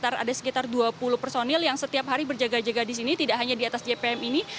ada sekitar dua puluh personil yang setiap hari berjaga jaga di sini tidak hanya di atas jpm ini